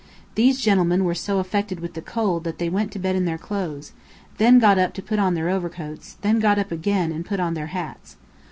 These gentlemen were so affected with the cold that they went to bed in their clothes, then got up to put on their overcoats, then got up again and put on their hats.